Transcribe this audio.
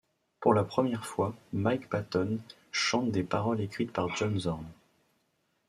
Pour la première fois, Mike Patton chante des paroles, écrites par John Zorn.